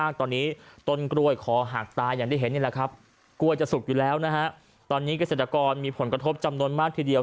กลัวจะสุกอยู่แล้วนะฮะตอนนี้เกษตรกรมีผลกระทบจำนวนมากทีเดียว